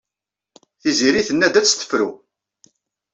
Tiziri tenna-d ad tt-tefru.